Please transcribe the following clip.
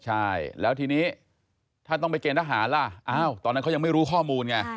ใช่แล้วทีนี้ถ้าต้องไปเกณฑหารล่ะอ้าวตอนนั้นเขายังไม่รู้ข้อมูลไง